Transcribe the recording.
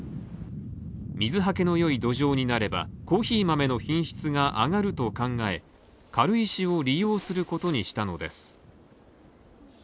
水はけの良い土壌になれば、コーヒー豆の品質が上がると考え、軽石を利用することにしたのです。